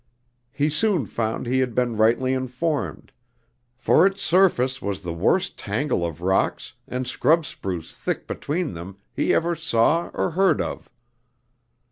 He soon found he had been rightly informed, for its surface was the worst tangle of rocks and scrub spruce thick between them he ever saw or heard of.